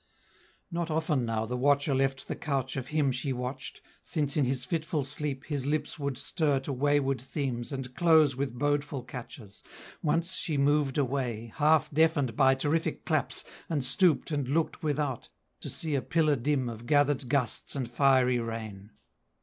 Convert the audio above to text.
Not often now the watcher left the couch Of him she watched, since in his fitful sleep His lips would stir to wayward themes, and close With bodeful catches. Once she moved away, Half deafened by terrific claps, and stooped And looked without to see a pillar dim Of gathered gusts and fiery rain.